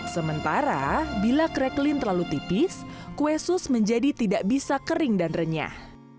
sementara bila cracklin terlalu tipis kue sus menjadi tidak bisa kering dan renyah